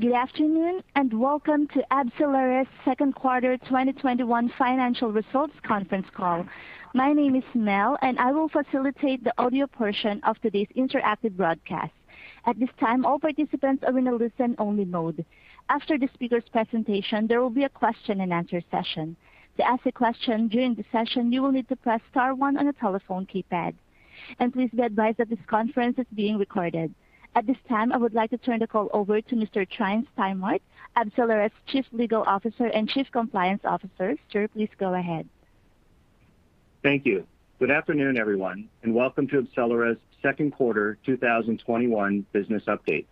Good afternoon, and welcome to AbCellera's second quarter 2021 financial results conference call. My name is Mel, and I will facilitate the audio portion of today's interactive broadcast. At this time, all participants are in a listen-only mode. After the speaker's presentation, there will be a question and answer session. To ask a question during the session, you will need to press star 1 on your telephone keypad. Please be advised that this conference is being recorded. At this time, I would like to turn the call over to Mr. Tryn Stimart, AbCellera's Chief Legal Officer and Chief Compliance Officer. Sir, please go ahead. Thank you. Good afternoon, everyone, and welcome to AbCellera's second quarter 2021 business update.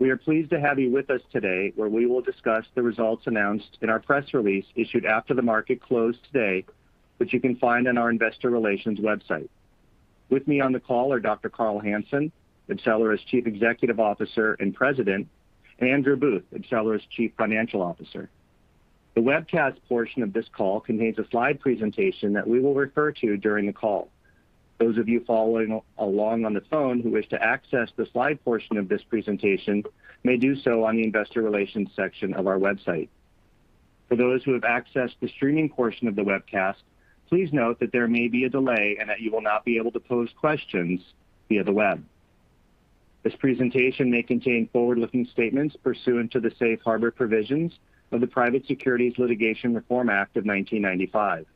We are pleased to have you with us today where we will discuss the results announced in our press release issued after the market closed today, which you can find on our investor relations website. With me on the call are Dr. Carl Hansen, AbCellera's Chief Executive Officer and President, and Andrew Booth, AbCellera's Chief Financial Officer. The webcast portion of this call contains a slide presentation that we will refer to during the call. Those of you following along on the phone who wish to access the slide portion of this presentation may do so on the investor relations section of our website. For those who have accessed the streaming portion of the webcast, please note that there may be a delay and that you will not be able to pose questions via the web. This presentation may contain forward-looking statements pursuant to the Safe Harbor provisions of the Private Securities Litigation Reform Act of 1995.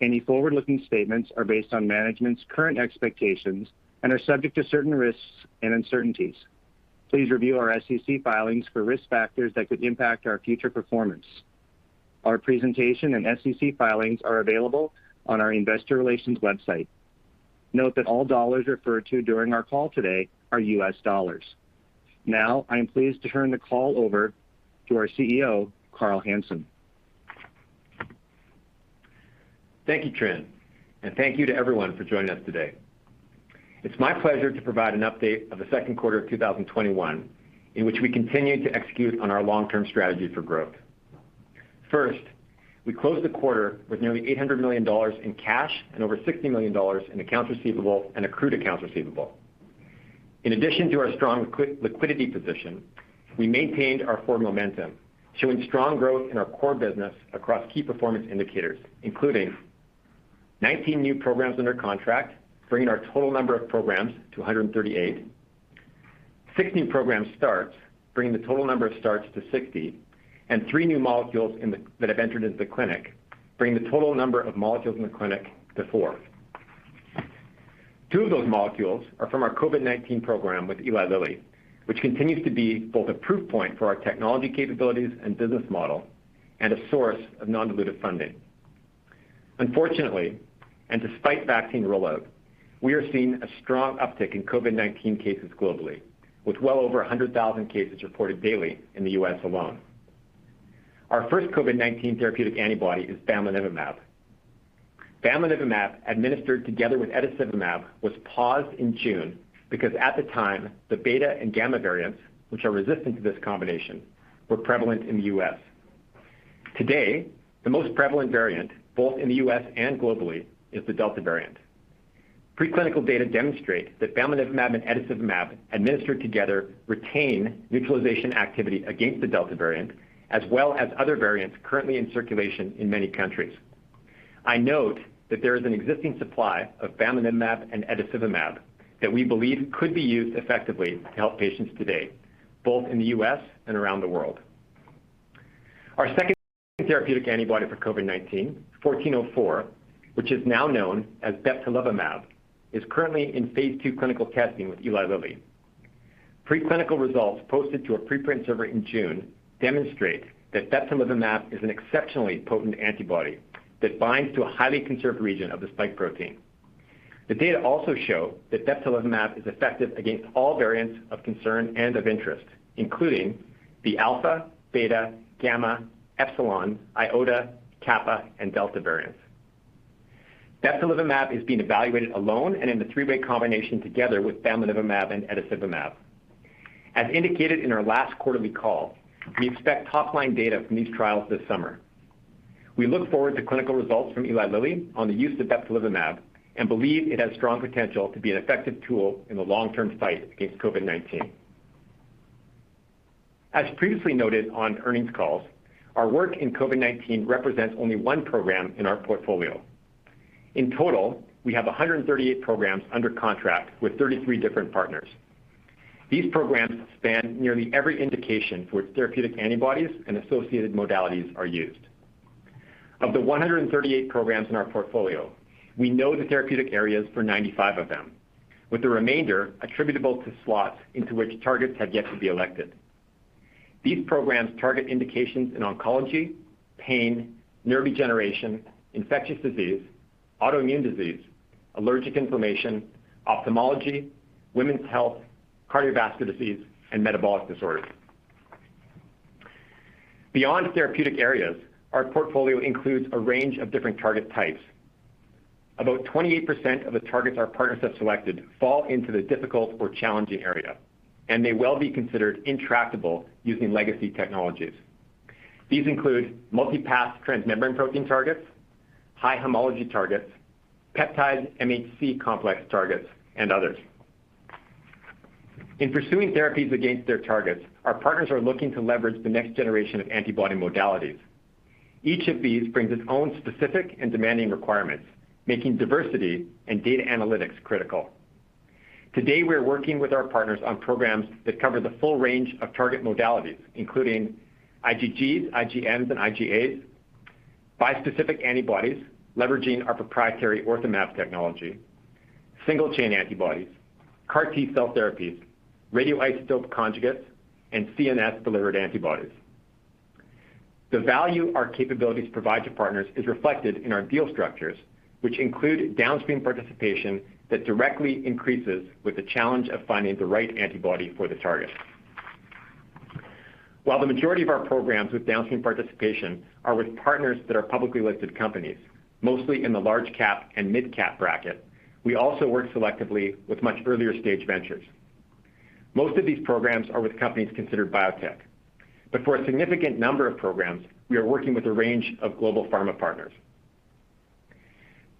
Any forward-looking statements are based on management's current expectations and are subject to certain risks and uncertainties. Please review our SEC filings for risk factors that could impact our future performance. Our presentation and SEC filings are available on our investor relations website. Note that all dollars referred to during our call today are US dollars. Now, I am pleased to turn the call over to our CEO, Carl Hansen. Thank you, Tryn, and thank you to everyone for joining us today. It's my pleasure to provide an update of the second quarter of 2021, in which we continued to execute on our long-term strategy for growth. First, we closed the quarter with nearly $800 million in cash and over $60 million in accounts receivable and accrued accounts receivable. In addition to our strong liquidity position, we maintained our forward momentum, showing strong growth in our core business across key performance indicators, including 19 new programs under contract, bringing our total number of programs to 138, 60 program starts, bringing the total number of starts to 60, and three new molecules that have entered into the clinic, bringing the total number of molecules in the clinic to four. Two of those molecules are from our COVID-19 program with Eli Lilly, which continues to be both a proof point for our technology capabilities and business model, and a source of non-dilutive funding. Unfortunately, and despite vaccine rollout, we are seeing a strong uptick in COVID-19 cases globally, with well over 100,000 cases reported daily in the U.S. alone. Our first COVID-19 therapeutic antibody is bamlanivimab. Bamlanivimab, administered together with etesevimab, was paused in June because at the time, the Beta and Gamma variants, which are resistant to this combination, were prevalent in the U.S. Today, the most prevalent variant, both in the U.S. and globally, is the Delta variant. Preclinical data demonstrate that bamlanivimab and etesevimab administered together retain neutralization activity against the Delta variant, as well as other variants currently in circulation in many countries. I note that there is an existing supply of bamlanivimab and etesevimab that we believe could be used effectively to help patients today, both in the U.S. and around the world. Our second therapeutic antibody for COVID-19, 1404, which is now known as bebtelovimab, is currently in phase II clinical testing with Eli Lilly. Preclinical results posted to a preprint server in June demonstrate that bebtelovimab is an exceptionally potent antibody that binds to a highly conserved region of the spike protein. The data also show that bebtelovimab is effective against all variants of concern and of interest, including the Alpha, Beta, Gamma, Epsilon, Iota, Kappa, and Delta variants. Bebtelovimab is being evaluated alone and in the three-way combination together with bamlanivimab and etesevimab. As indicated in our last quarterly call, we expect top-line data from these trials this summer. We look forward to clinical results from Eli Lilly on the use of bebtelovimab and believe it has strong potential to be an effective tool in the long-term fight against COVID-19. As previously noted on earnings calls, our work in COVID-19 represents only 1 program in our portfolio. In total, we have 138 programs under contract with 33 different partners. These programs span nearly every indication for which therapeutic antibodies and associated modalities are used. Of the 138 programs in our portfolio, we know the therapeutic areas for 95 of them, with the remainder attributable to slots into which targets have yet to be elected. These programs target indications in oncology, pain, nerve regeneration, infectious disease, autoimmune disease, allergic inflammation, ophthalmology, women's health, cardiovascular disease, and metabolic disorders. Beyond therapeutic areas, our portfolio includes a range of different target types. About 28% of the targets our partners have selected fall into the difficult or challenging area, and may well be considered intractable using legacy technologies. These include multi-pass transmembrane protein targets, high homology targets, peptide MHC complex targets, and others. In pursuing therapies against their targets, our partners are looking to leverage the next generation of antibody modalities. Each of these brings its own specific and demanding requirements, making diversity and data analytics critical. Today, we are working with our partners on programs that cover the full range of target modalities, including IgGs, IgMs, and IgAs, bispecific antibodies leveraging our proprietary OrthoMab technology, single-chain antibodies, CAR T-cell therapies, radioisotope conjugates, and CNS-delivered antibodies. The value our capabilities provide to partners is reflected in our deal structures, which include downstream participation that directly increases with the challenge of finding the right antibody for the target. While the majority of our programs with downstream participation are with partners that are publicly listed companies, mostly in the large cap and midcap bracket, we also work selectively with much earlier-stage ventures. Most of these programs are with companies considered biotech, but for a significant number of programs, we are working with a range of global pharma partners.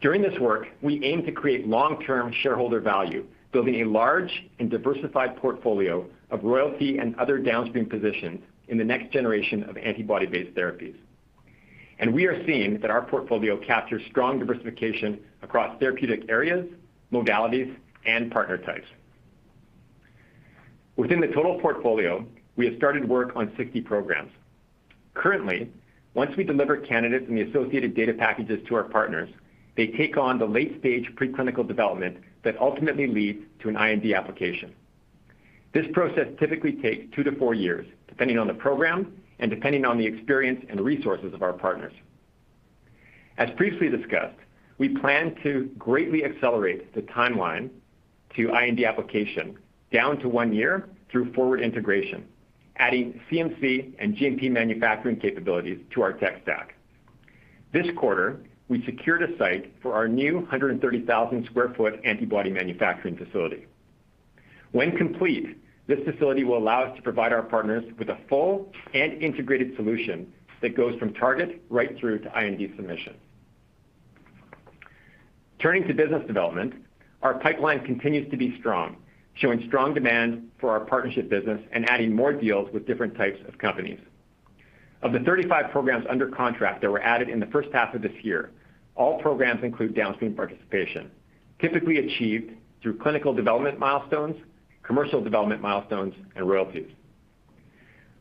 During this work, we aim to create long-term shareholder value, building a large and diversified portfolio of royalty and other downstream positions in the next generation of antibody-based therapies. We are seeing that our portfolio captures strong diversification across therapeutic areas, modalities, and partner types. Within the total portfolio, we have started work on 60 programs. Currently, once we deliver candidates and the associated data packages to our partners, they take on the late-stage preclinical development that ultimately leads to an IND application. This process typically takes two to four years, depending on the program and depending on the experience and resources of our partners. As previously discussed, we plan to greatly accelerate the timeline to IND application down to one year through forward integration, adding CMC and GMP manufacturing capabilities to our tech stack. This quarter, we secured a site for our new 130,000 square foot antibody manufacturing facility. When complete, this facility will allow us to provide our partners with a full and integrated solution that goes from target right through to IND submission. Turning to business development, our pipeline continues to be strong, showing strong demand for our partnership business and adding more deals with different types of companies. Of the 35 programs under contract that were added in the first half of this year, all programs include downstream participation, typically achieved through clinical development milestones, commercial development milestones, and royalties.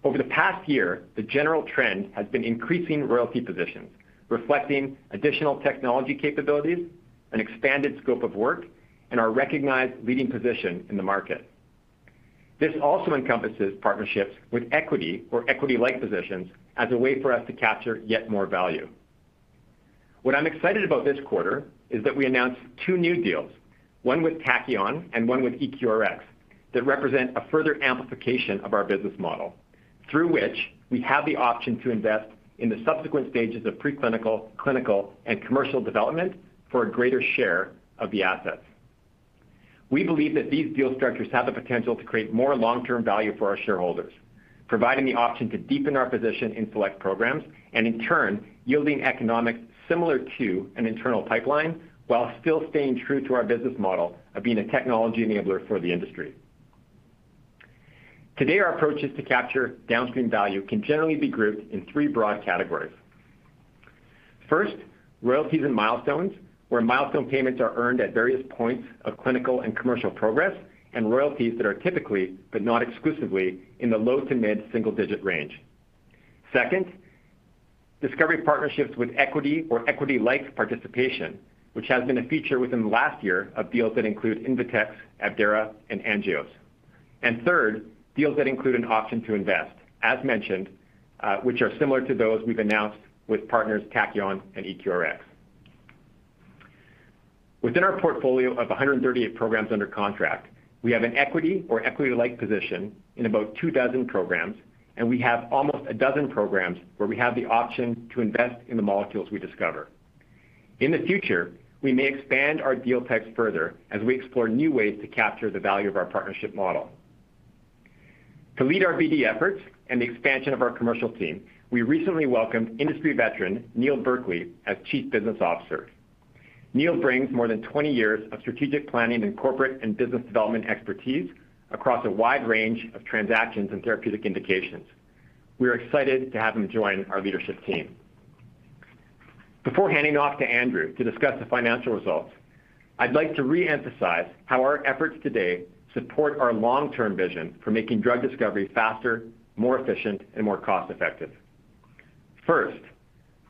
Over the past year, the general trend has been increasing royalty positions, reflecting additional technology capabilities, an expanded scope of work, and our recognized leading position in the market. This also encompasses partnerships with equity or equity-like positions as a way for us to capture yet more value. What I'm excited about this quarter is that we announced two new deals, 1 with Tachyon and one with EQRx, that represent a further amplification of our business model, through which we have the option to invest in the subsequent stages of preclinical, clinical, and commercial development for a greater share of the assets. We believe that these deal structures have the potential to create more long-term value for our shareholders, providing the option to deepen our position in select programs, and in turn, yielding economics similar to an internal pipeline while still staying true to our business model of being a technology enabler for the industry. Today, our approaches to capture downstream value can generally be grouped in three broad categories. First, royalties and milestones, where milestone payments are earned at various points of clinical and commercial progress, and royalties that are typically, but not exclusively, in the low to mid-single-digit range. Second, discovery partnerships with equity or equity-like participation, which has been a feature within the last year of deals that include Invetx, Abdera, and Angios. Third, deals that include an option to invest, as mentioned, which are similar to those we've announced with partners Tachyon and EQRx. Within our portfolio of 138 programs under contract, we have an equity or equity-like position in about 2 dozen programs, and we have almost a dozen programs where we have the option to invest in the molecules we discover. In the future, we may expand our deal types further as we explore new ways to capture the value of our partnership model. To lead our BD efforts and the expansion of our commercial team, we recently welcomed industry veteran Neil Berkley as Chief Business Officer. Neil brings more than 20 years of strategic planning and corporate and business development expertise across a wide range of transactions and therapeutic indications. We are excited to have him join our leadership team. Before handing off to Andrew to discuss the financial results, I'd like to re-emphasize how our efforts today support our long-term vision for making drug discovery faster, more efficient, and more cost-effective. First,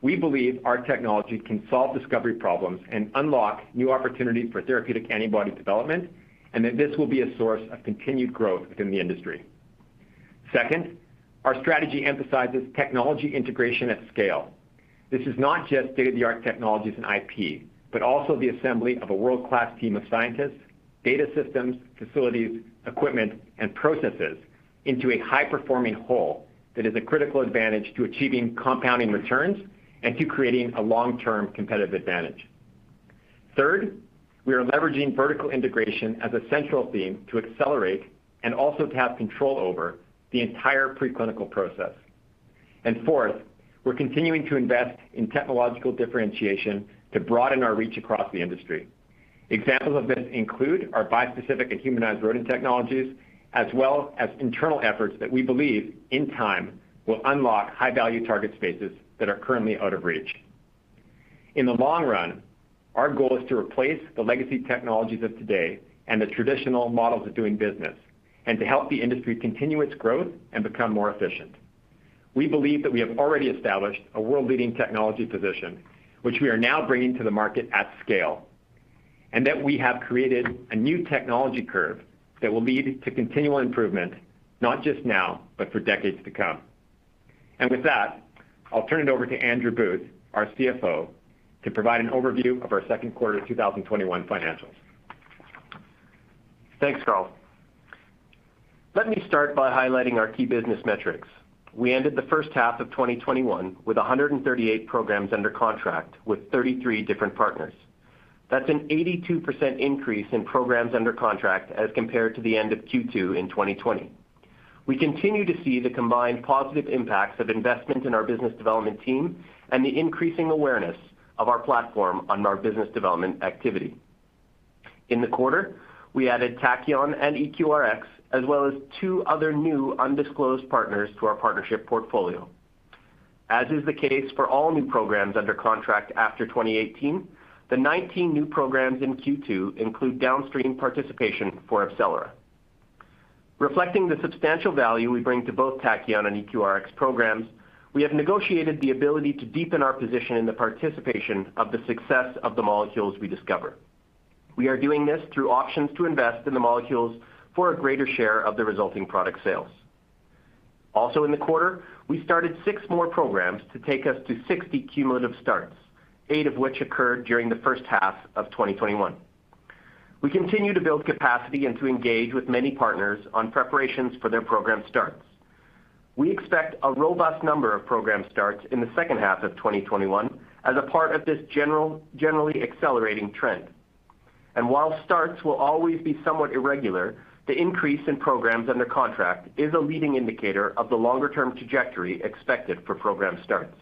we believe our technology can solve discovery problems and unlock new opportunities for therapeutic antibody development, and that this will be a source of continued growth within the industry. Second, our strategy emphasizes technology integration at scale. This is not just state-of-the-art technologies and IP, but also the assembly of a world-class team of scientists, data systems, facilities, equipment, and processes into a high-performing whole that is a critical advantage to achieving compounding returns and to creating a long-term competitive advantage. Third, we are leveraging vertical integration as a central theme to accelerate and also to have control over the entire preclinical process. Fourth, we're continuing to invest in technological differentiation to broaden our reach across the industry. Examples of this include our bispecific and humanized rodent technologies, as well as internal efforts that we believe, in time, will unlock high-value target spaces that are currently out of reach. In the long run, our goal is to replace the legacy technologies of today and the traditional models of doing business, and to help the industry continue its growth and become more efficient. We believe that we have already established a world-leading technology position, which we are now bringing to the market at scale, and that we have created a new technology curve that will lead to continual improvement, not just now, but for decades to come. With that, I'll turn it over to Andrew Booth, our CFO, to provide an overview of our second quarter 2021 financials. Thanks, Carl. Let me start by highlighting our key business metrics. We ended the first half of 2021 with 138 programs under contract with 33 different partners. That's an 82% increase in programs under contract as compared to the end of Q2 in 2020. We continue to see the combined positive impacts of investment in our business development team and the increasing awareness of our platform on our business development activity. In the quarter, we added Tachyon and EQRx, as well as two other new undisclosed partners to our partnership portfolio. As is the case for all new programs under contract after 2018, the 19 new programs in Q2 include downstream participation for AbCellera. Reflecting the substantial value we bring to both Tachyon and EQRx programs, we have negotiated the ability to deepen our position in the participation of the success of the molecules we discover. We are doing this through options to invest in the molecules for a greater share of the resulting product sales. In the quarter, we started six more programs to take us to 60 cumulative starts, eight of which occurred during the first half of 2021. We continue to build capacity and to engage with many partners on preparations for their program starts. We expect a robust number of program starts in the second half of 2021 as a part of this generally accelerating trend. While starts will always be somewhat irregular, the increase in programs under contract is a leading indicator of the longer-term trajectory expected for program starts.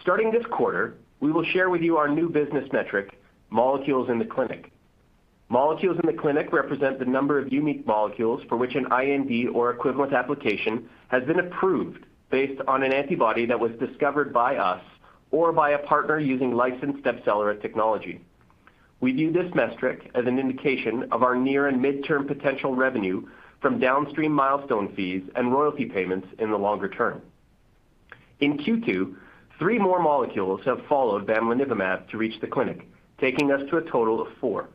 Starting this quarter, we will share with you our new business metric, molecules in the clinic. Molecules in the clinic represent the number of unique molecules for which an IND or equivalent application has been approved based on an antibody that was discovered by us or by a partner using licensed AbCellera technology. We view this metric as an indication of our near and mid-term potential revenue from downstream milestone fees and royalty payments in the longer term. In Q2, three more molecules have followed bamlanivimab to reach the clinic, taking us to a total of four.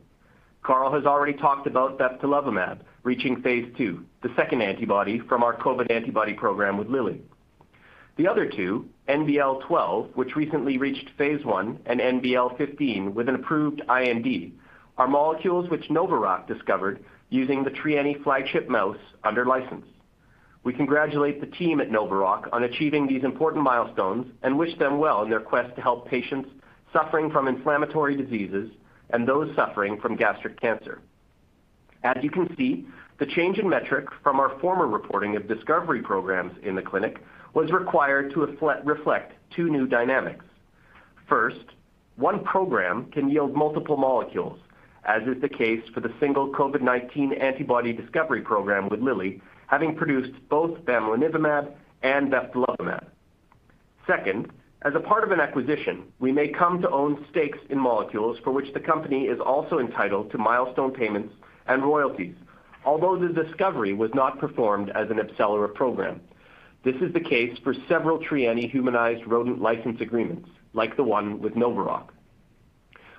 Carl has already talked about bebtelovimab reaching phase II, the second antibody from our COVID antibody program with Lilly. The other two, NBL-12, which recently reached phase I, and NBL-15 with an approved IND, are molecules which NovaRock discovered using the Trianni flagship mouse under license. We congratulate the team at NovaRock on achieving these important milestones and wish them well in their quest to help patients suffering from inflammatory diseases and those suffering from gastric cancer. As you can see, the change in metric from our former reporting of discovery programs in the clinic was required to reflect two new dynamics. First, one program can yield multiple molecules, as is the case for the single COVID-19 antibody discovery program with Lilly, having produced both bamlanivimab and bebtelovimab. Second, as a part of an acquisition, we may come to own stakes in molecules for which the company is also entitled to milestone payments and royalties. Although the discovery was not performed as an AbCellera program, this is the case for several Trianni humanized rodent license agreements, like the one with NovaRock.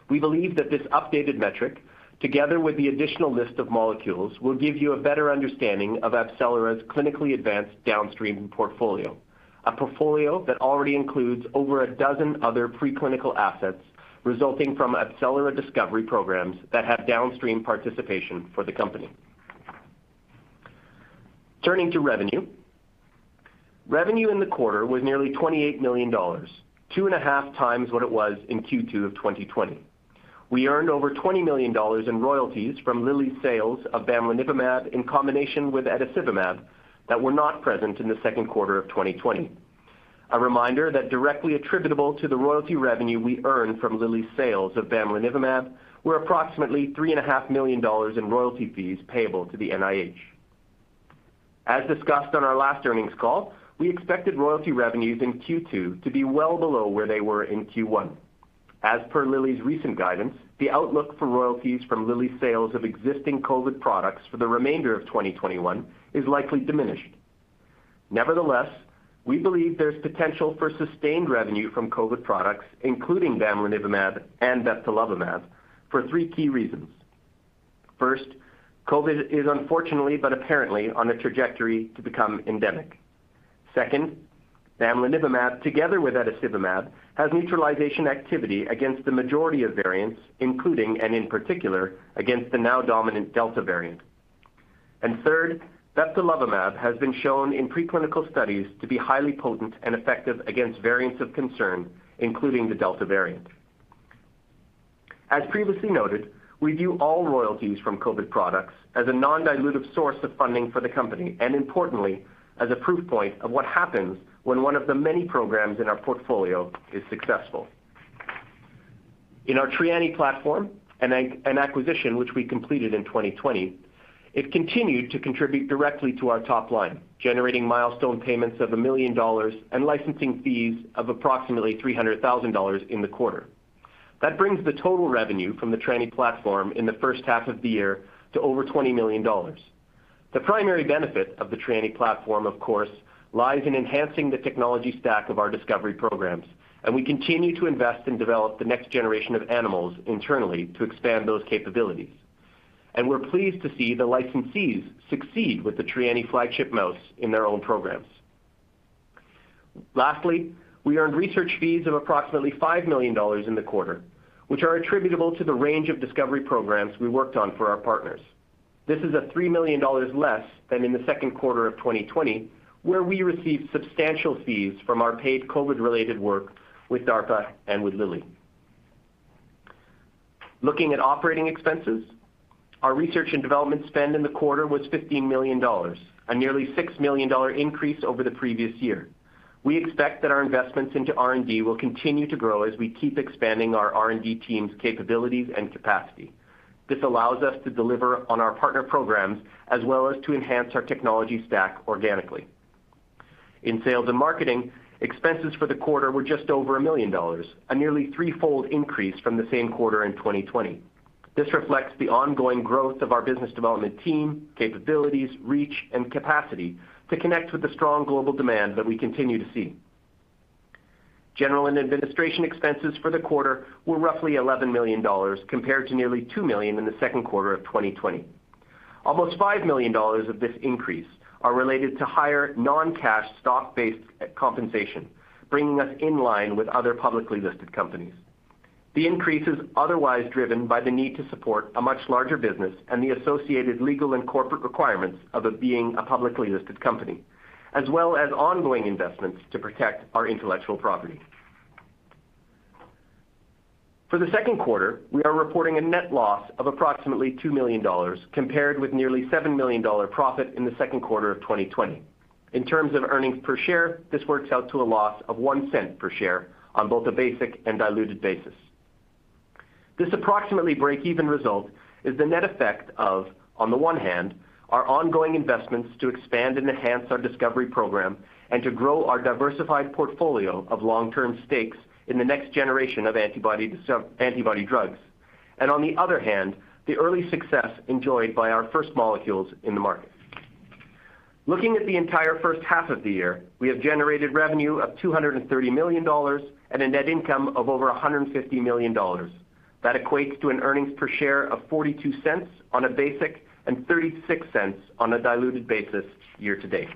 We believe that this updated metric, together with the additional list of molecules, will give you a better understanding of AbCellera's clinically advanced downstream portfolio. A portfolio that already includes over a dozen other preclinical assets resulting from AbCellera discovery programs that have downstream participation for the company. Turning to revenue. Revenue in the quarter was nearly $28 million, two and a half times what it was in Q2 of 2020. We earned over $20 million in royalties from Lilly's sales of bamlanivimab in combination with etesevimab that were not present in the second quarter of 2020. A reminder that directly attributable to the royalty revenue we earned from Lilly's sales of bamlanivimab were approximately $3.5 million in royalty fees payable to the NIH. As discussed on our last earnings call, we expected royalty revenues in Q2 to be well below where they were in Q1. As per Lilly's recent guidance, the outlook for royalties from Lilly's sales of existing COVID products for the remainder of 2021 is likely diminished. Nevertheless, we believe there's potential for sustained revenue from COVID products, including bamlanivimab and bebtelovimab, for 3 key reasons. First, COVID is unfortunately but apparently on a trajectory to become endemic. Second, bamlanivimab, together with etesevimab, has neutralization activity against the majority of variants, including and in particular, against the now dominant Delta variant. Third, bebtelovimab has been shown in preclinical studies to be highly potent and effective against variants of concern, including the Delta variant. As previously noted, we view all royalties from COVID products as a non-dilutive source of funding for the company, and importantly, as a proof point of what happens when one of the many programs in our portfolio is successful. In our Trianni platform, an acquisition which we completed in 2020, it continued to contribute directly to our top line, generating milestone payments of 1 million dollars and licensing fees of approximately 300,000 dollars in the quarter. That brings the total revenue from the Trianni platform in the first half of the year to over 20 million dollars. The primary benefit of the Trianni platform, of course, lies in enhancing the technology stack of our discovery programs, and we continue to invest and develop the next generation of animals internally to expand those capabilities. We're pleased to see the licensees succeed with the Trianni flagship mouse in their own programs. Lastly, we earned research fees of approximately 5 million dollars in the quarter, which are attributable to the range of discovery programs we worked on for our partners. This is 3 million dollars less than in the second quarter of 2020, where we received substantial fees from our paid COVID-related work with DARPA and with Lilly. Looking at operating expenses, our research and development spend in the quarter was 15 million dollars, a nearly 6 million dollar increase over the previous year. We expect that our investments into R&D will continue to grow as we keep expanding our R&D team's capabilities and capacity. This allows us to deliver on our partner programs as well as to enhance our technology stack organically. In sales and marketing, expenses for the quarter were just over 1 million dollars, a nearly threefold increase from the same quarter in 2020. This reflects the ongoing growth of our business development team, capabilities, reach, and capacity to connect with the strong global demand that we continue to see. General and administration expenses for the quarter were roughly $11 million compared to nearly $2 million in the second quarter of 2020. Almost $5 million of this increase are related to higher non-cash stock-based compensation, bringing us in line with other publicly listed companies. The increase is otherwise driven by the need to support a much larger business and the associated legal and corporate requirements of it being a publicly listed company, as well as ongoing investments to protect our intellectual property. For the second quarter, we are reporting a net loss of approximately $2 million compared with nearly $7 million profit in the second quarter of 2020. In terms of earnings per share, this works out to a loss of $0.01 per share on both a basic and diluted basis. This approximately break-even result is the net effect of, on the one hand, our ongoing investments to expand and enhance our discovery program and to grow our diversified portfolio of long-term stakes in the next generation of antibody drugs. On the other hand, the early success enjoyed by our first molecules in the market. Looking at the entire first half of the year, we have generated revenue of $230 million and a net income of over $150 million. That equates to an earnings per share of $0.42 on a basic and $0.36 on a diluted basis year to date.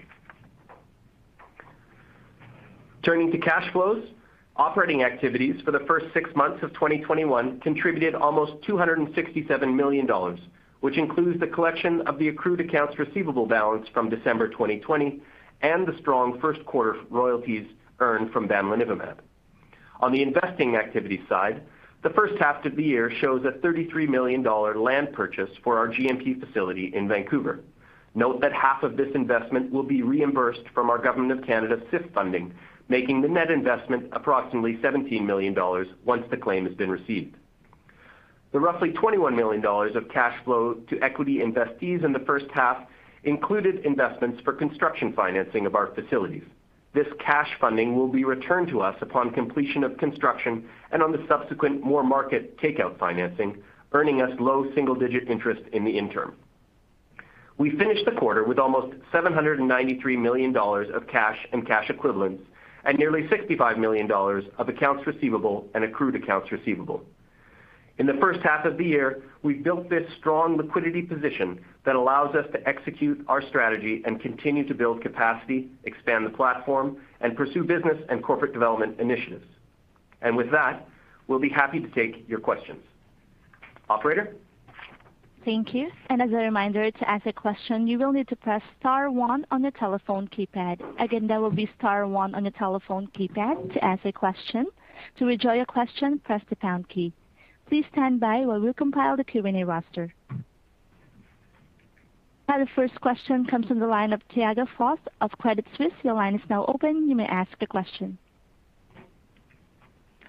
Turning to cash flows, operating activities for the first six months of 2021 contributed almost $267 million, which includes the collection of the accrued accounts receivable balance from December 2020 and the strong first quarter royalties earned from bamlanivimab. On the investing activity side, the first half of the year shows a 33 million dollar land purchase for our GMP facility in Vancouver. Note that half of this investment will be reimbursed from our Government of Canada SIF funding, making the net investment approximately 17 million dollars once the claim has been received. The roughly 21 million dollars of cash flow to equity investees in the first half included investments for construction financing of our facilities. This cash funding will be returned to us upon completion of construction and on the subsequent more market takeout financing, earning us low single-digit interest in the interim. We finished the quarter with almost 793 million dollars of cash and cash equivalents and nearly 65 million dollars of accounts receivable and accrued accounts receivable. In the first half of the year, we've built this strong liquidity position that allows us to execute our strategy and continue to build capacity, expand the platform, and pursue business and corporate development initiatives. With that, we'll be happy to take your questions. Operator? The first question comes from the line of Tiago Fauth of Credit Suisse. Your line is now open. You may ask a question.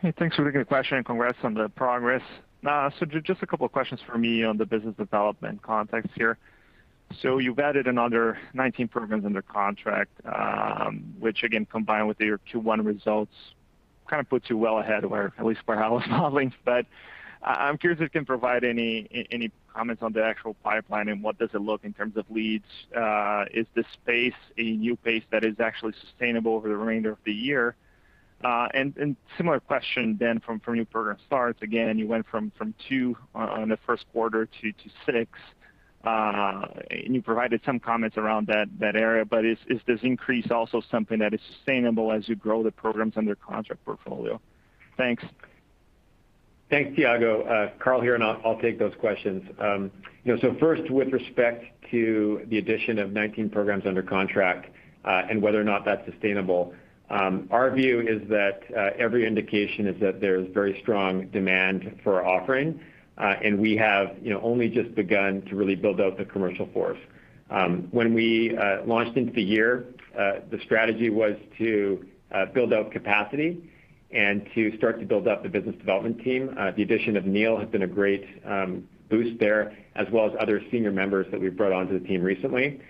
Hey, thanks for the good question and congrats on the progress. Just two questions from me on the business development context here. You've added another 19 programs under contract, which again, combined with your Q1 results, kind of puts you well ahead of our at least our house modeling. I'm curious if you can provide any comments on the actual pipeline and what does it look in terms of leads. Is this pace a new pace that is actually sustainable over the remainder of the year? Similar question from new program starts. Again, you went from two on the first quarter to six. You provided some comments around that area, is this increase also something that is sustainable as you grow the programs under contract portfolio? Thanks. Thanks, Tiago. Carl here, I'll take those questions. First, with respect to the addition of 19 programs under contract, and whether or not that's sustainable, our view is that every indication is that there is very strong demand for our offering. We have only just begun to really build out the commercial force. When we launched into the year, the strategy was to build out capacity and to start to build up the business development team. The addition of Neil has been a great boost there, as well as other senior members that we have brought onto the team recently.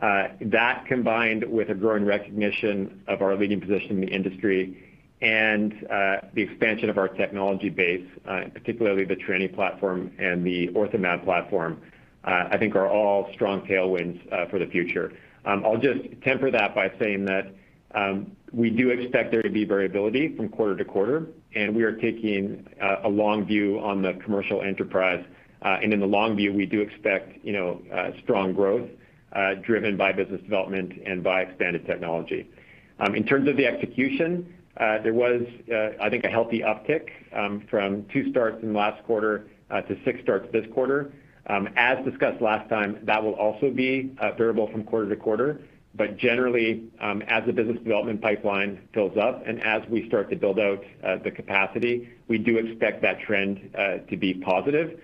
That, combined with a growing recognition of our leading position in the industry and the expansion of our technology base, particularly the Trianni platform and the OrthoMab platform, I think are all strong tailwinds for the future. I'll just temper that by saying that we do expect there to be variability from quarter to quarter, and we are taking a long view on the commercial enterprise. In the long view, we do expect strong growth driven by business development and by expanded technology. In terms of the execution, there was I think a healthy uptick from two starts in the last quarter to six starts this quarter. As discussed last time, that will also be variable from quarter to quarter, but generally, as the business development pipeline fills up and as we start to build out the capacity, we do expect that trend to be positive.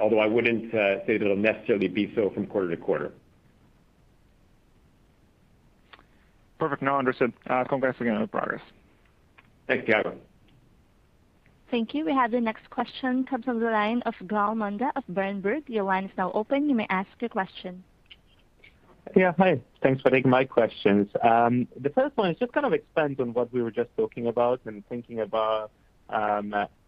Although I wouldn't say that it'll necessarily be so from quarter to quarter. Perfect. Understood. Congrats again on the progress. Thank you. Thank you. We have the next question, comes from the line of Gal Munda of Berenberg. Your line is now open. You may ask your question. Yeah. Hi. Thanks for taking my questions. The first one is just to expand on what we were just talking about and thinking about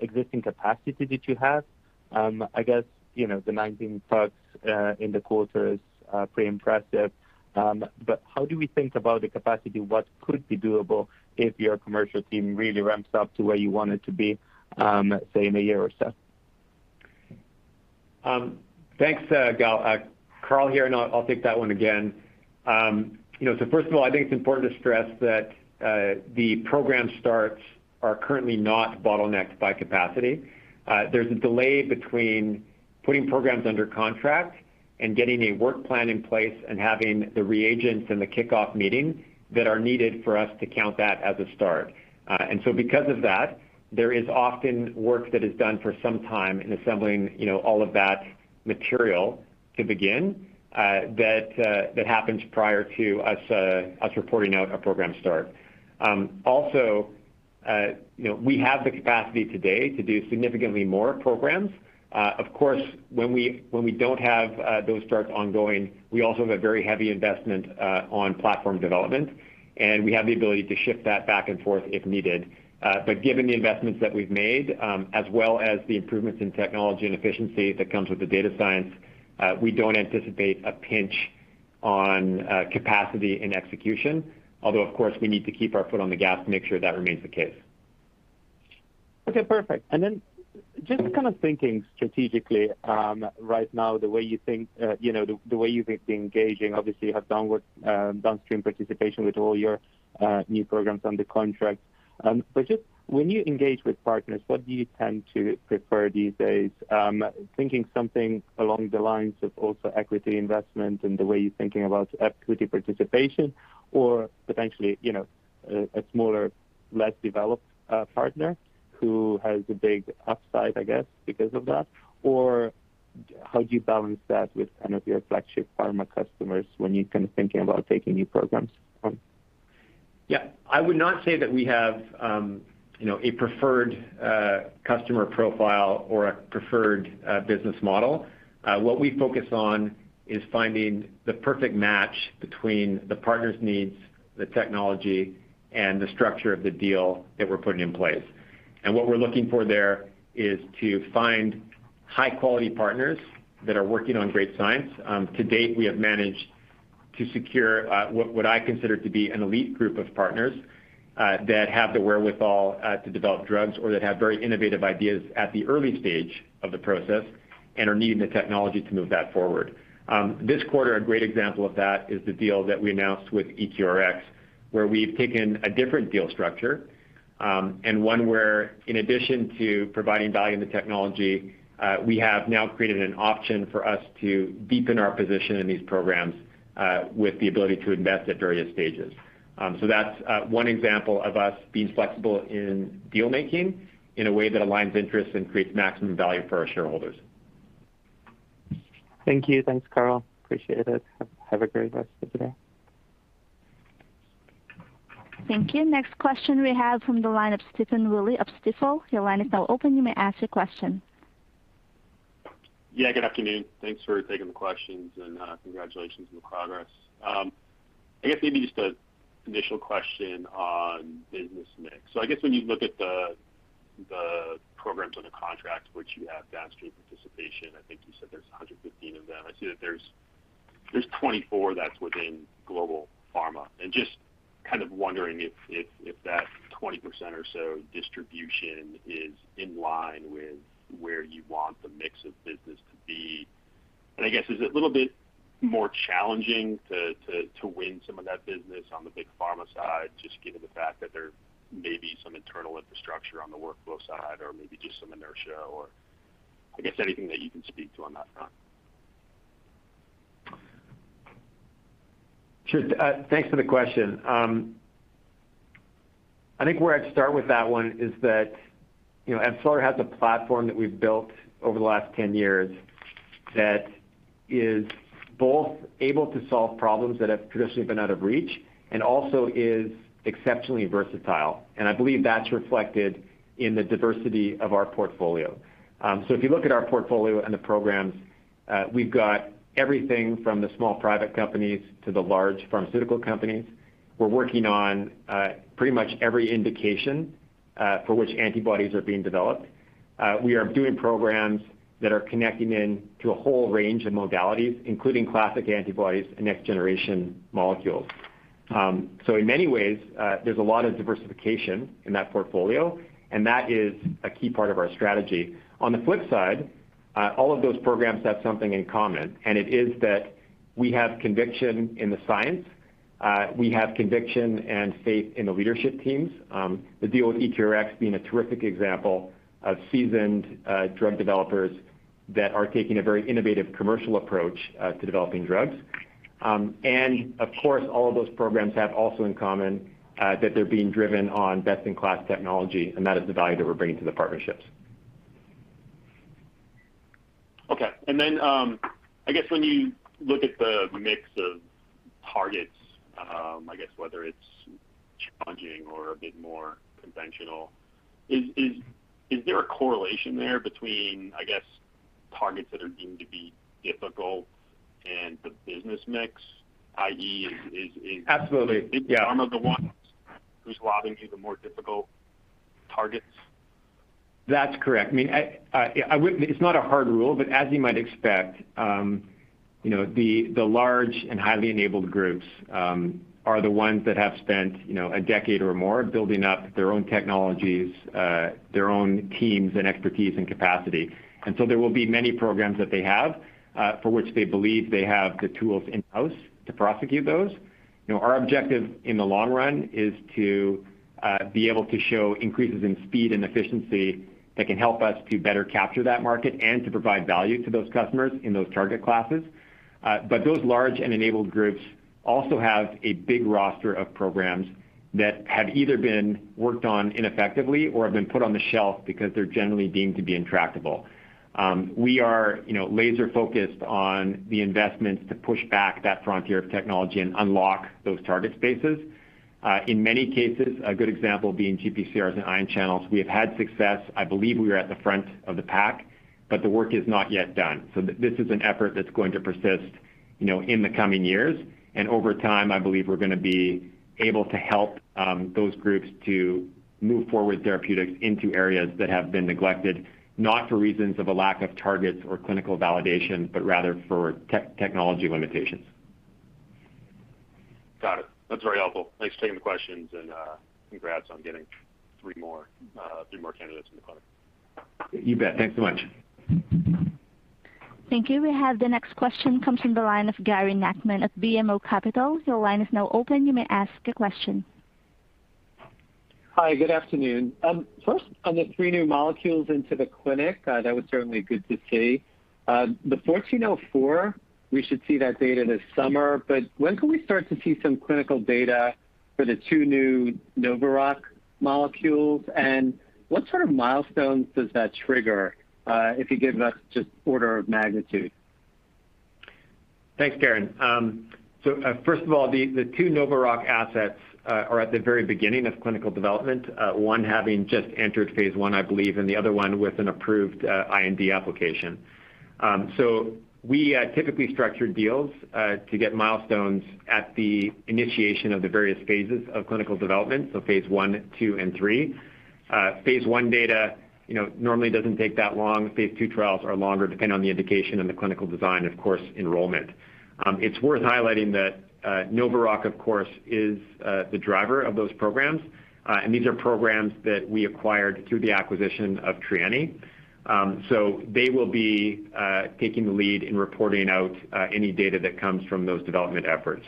existing capacity that you have. I guess, the 19 starts in the quarter is pretty impressive. How do we think about the capacity? What could be doable if your commercial team really ramps up to where you want it to be, say, in a year or so? Thanks, Gal. Carl here. I'll take that one again. First of all, I think it's important to stress that the program starts are currently not bottlenecked by capacity. There's a delay between putting programs under contract and getting a work plan in place and having the reagents and the kickoff meeting that are needed for us to count that as a start. Because of that, there is often work that is done for some time in assembling all of that material to begin that happens prior to us reporting out a program start. Also, we have the capacity today to do significantly more programs. Of course, when we don't have those starts ongoing, we also have a very heavy investment on platform development. We have the ability to shift that back and forth if needed. Given the investments that we've made, as well as the improvements in technology and efficiency that comes with the data science, we don't anticipate a pinch on capacity and execution. Although, of course, we need to keep our foot on the gas to make sure that remains the case. Okay, perfect. Just thinking strategically right now, the way you think the engaging obviously has downstream participation with all your new programs under contract. Just when you engage with partners, what do you tend to prefer these days, thinking something along the lines of also equity investment and the way you're thinking about equity participation or potentially, a smaller, less developed partner who has a big upside, I guess, because of that? How do you balance that with your flagship pharma customers when you're thinking about taking new programs on? Yeah. I would not say that we have a preferred customer profile or a preferred business model. What we focus on is finding the perfect match between the partner's needs, the technology, and the structure of the deal that we're putting in place. What we're looking for there is to find high-quality partners that are working on great science. To date, we have managed to secure what I consider to be an elite group of partners that have the wherewithal to develop drugs or that have very innovative ideas at the early stage of the process and are needing the technology to move that forward. This quarter, a great example of that is the deal that we announced with EQRx, where we've taken a different deal structure, and one where in addition to providing value in the technology, we have now created an option for us to deepen our position in these programs with the ability to invest at various stages. That's one example of us being flexible in deal-making in a way that aligns interests and creates maximum value for our shareholders. Thank you. Thanks, Carl. Appreciate it. Have a great rest of the day. Thank you. Next question we have from the line of Stephen Willey of Stifel. Your line is now open. You may ask your question. Yeah, good afternoon. Thanks for taking the questions and congratulations on the progress. I guess maybe just an initial question on business mix. I guess when you look at the programs under contract, which you have downstream participation, I think you said there's 115 of them. I see that there's 24 that's within global pharma, just wondering if that 20% or so distribution is in line with where you want the mix of business to be. I guess is it a little bit more challenging to win some of that business on the big pharma side, just given the fact that there may be some internal infrastructure on the workflow side or maybe just some inertia or I guess anything that you can speak to on that front? Sure. Thanks for the question. I think where I'd start with that one is that AbCellera has a platform that we've built over the last 10 years that is both able to solve problems that have traditionally been out of reach and also is exceptionally versatile. I believe that's reflected in the diversity of our portfolio. If you look at our portfolio and the programs, we've got everything from the small private companies to the large pharmaceutical companies. We're working on pretty much every indication for which antibodies are being developed. We are doing programs that are connecting in to a whole range of modalities, including classic antibodies and next-generation molecules. In many ways, there's a lot of diversification in that portfolio, and that is a key part of our strategy. On the flip side, all of those programs have something in common, and it is that we have conviction in the science. We have conviction and faith in the leadership teams, the deal with EQRx being a terrific example of seasoned drug developers that are taking a very innovative commercial approach to developing drugs. Of course, all of those programs have also in common that they're being driven on best-in-class technology, and that is the value that we're bringing to the partnerships. Okay. Then, I guess when you look at the mix of targets, I guess whether it's challenging or a bit more conventional, is there a correlation there between, I guess, targets that are deemed to be difficult and the business mix? Absolutely. Yeah pharma the one who's lobbing you the more difficult targets? That's correct. It's not a hard rule, but as you might expect, the large and highly enabled groups are the ones that have spent a decade or more building up their own technologies, their own teams and expertise and capacity. There will be many programs that they have, for which they believe they have the tools in-house to prosecute those. Our objective in the long run is to be able to show increases in speed and efficiency that can help us to better capture that market and to provide value to those customers in those target classes. Those large and enabled groups also have a big roster of programs that have either been worked on ineffectively or have been put on the shelf because they're generally deemed to be intractable. We are laser-focused on the investments to push back that frontier of technology and unlock those target spaces. In many cases, a good example being GPCRs and ion channels, we have had success. I believe we are at the front of the pack, but the work is not yet done. This is an effort that's going to persist in the coming years. Over time, I believe we're going to be able to help those groups to move forward therapeutics into areas that have been neglected, not for reasons of a lack of targets or clinical validation, but rather for technology limitations. Got it. That's very helpful. Thanks for taking the questions and congrats on getting three more candidates in the clinic. You bet. Thanks so much. Thank you. We have the next question, comes from the line of Gary Nachman of BMO Capital. Your line is now open. You may ask a question. Hi, good afternoon. First, on the three new molecules into the clinic, that was certainly good to see. The LY-CoV1404, we should see that data this summer, but when can we start to see some clinical data for the two new NovaRock molecules, and what sort of milestones does that trigger, if you give us just order of magnitude? Thanks, Gary. First of all, the two NovaRock assets are at the very beginning of clinical development, one having just entered phase I believe, and the other one with an approved IND application. We typically structure deals to get milestones at the initiation of the various phases of clinical development, phase I, II, and III. Phase I data normally doesn't take that long. Phase II trials are longer, depending on the indication and the clinical design, of course, enrollment. It's worth highlighting that NovaRock, of course, is the driver of those programs. These are programs that we acquired through the acquisition of Trianni. They will be taking the lead in reporting out any data that comes from those development efforts.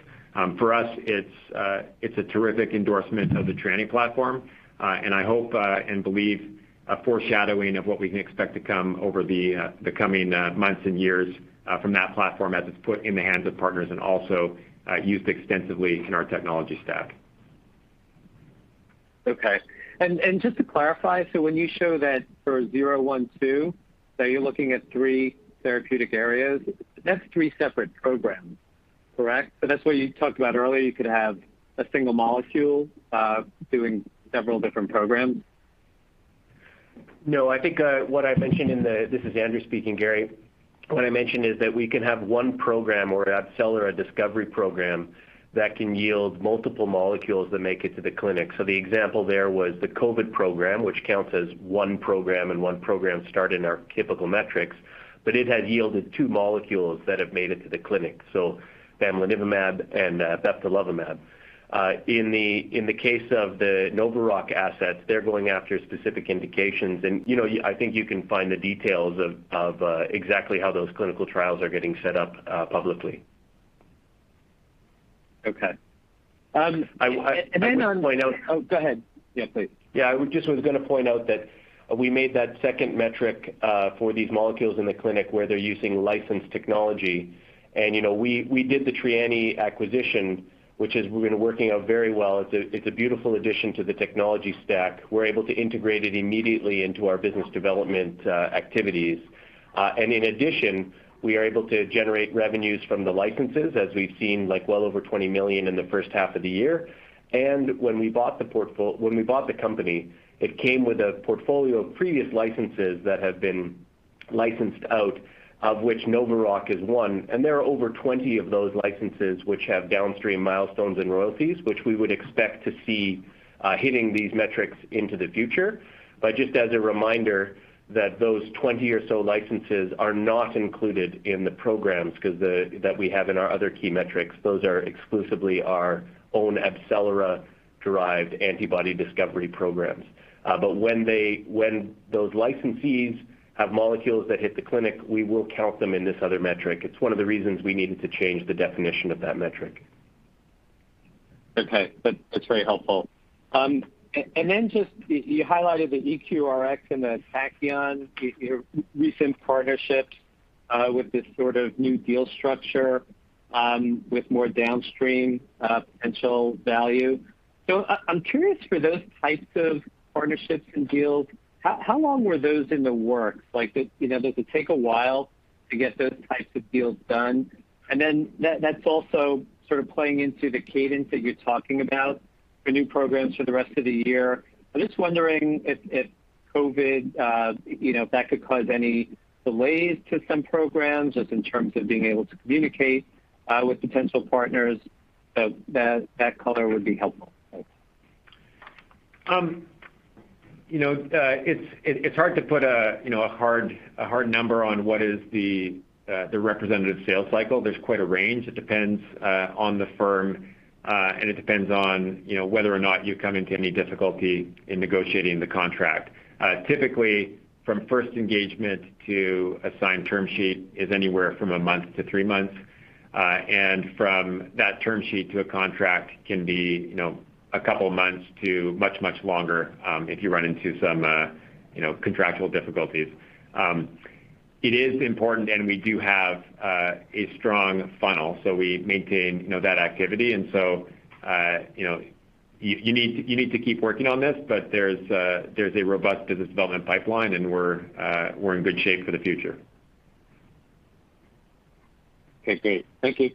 For us, it's a terrific endorsement of the Trianni platform, and I hope and believe a foreshadowing of what we can expect to come over the coming months and years from that platform as it's put in the hands of partners and also used extensively in our technology stack. Okay. Just to clarify, when you show that for 012, that you're looking at three therapeutic areas, that's three separate programs, correct? That's why you talked about earlier, you could have a single molecule doing several different programs? This is Andrew speaking, Gary. What I mentioned is that we can have one program or at AbCellera, a discovery program that can yield multiple molecules that make it to the clinic. The example there was the COVID program, which counts as one program and one program start in our typical metrics, but it has yielded two molecules that have made it to the clinic. bamlanivimab and bebtelovimab. In the case of the NovaRock assets, they're going after specific indications, and I think you can find the details of exactly how those clinical trials are getting set up publicly. Okay. And then on- I would like to point out- Oh, go ahead. Yeah, please. I just was going to point out that we made that second metric for these molecules in the clinic where they're using licensed technology. We did the Trianni acquisition, which has been working out very well. It's a beautiful addition to the technology stack. We are able to integrate it immediately into our business development activities. In addition, we are able to generate revenues from the licenses, as we've seen well over 20 million in the first half of the year. When we bought the company, it came with a portfolio of previous licenses that have been licensed out, of which NovaRock is one. There are over 20 of those licenses which have downstream milestones and royalties, which we would expect to see hitting these metrics into the future. Just as a reminder, that those 20 or so licenses are not included in the programs that we have in our other key metrics. Those are exclusively our own AbCellera-derived antibody discovery programs. When those licensees have molecules that hit the clinic, we will count them in this other metric. It's one of the reasons we needed to change the definition of that metric. Okay. That's very helpful. You highlighted the EQRx and the Tachyon, your recent partnerships with this sort of new deal structure with more downstream potential value. I'm curious for those types of partnerships and deals, how long were those in the works? Does it take a while to get those types of deals done? That's also sort of playing into the cadence that you're talking about for new programs for the rest of the year. I'm just wondering if COVID, if that could cause any delays to some programs, just in terms of being able to communicate with potential partners. That color would be helpful. Thanks. It's hard to put a hard number on what is the representative sales cycle. There's quite a range. It depends on the firm, and it depends on whether or not you come into any difficulty in negotiating the contract. Typically, from first engagement to assigned term sheet is anywhere from a month to three months. From that term sheet to a contract can be a couple of months to much longer, if you run into some contractual difficulties. It is important and we do have a strong funnel, so we maintain that activity. You need to keep working on this, but there's a robust business development pipeline, and we're in good shape for the future. Okay, great. Thank you.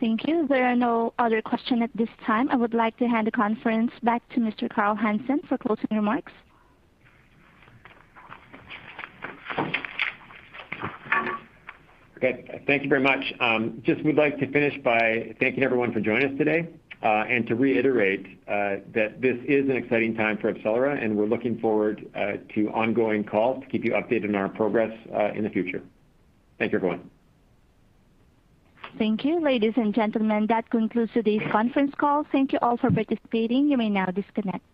Thank you. There are no other question at this time. I would like to hand the conference back to Mr. Carl Hansen for closing remarks. Okay. Thank you very much. Just we'd like to finish by thanking everyone for joining us today, and to reiterate that this is an exciting time for AbCellera, and we're looking forward to ongoing calls to keep you updated on our progress in the future. Thank you, everyone. Thank you. Ladies and gentlemen, that concludes today's conference call. Thank you all for participating. You may now disconnect.